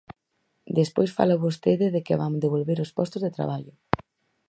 Despois fala vostede de que van devolver os postos de traballo.